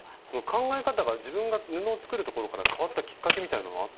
考え方が自分が布を作るところから変わったきっかけみたいなのはあったんですか？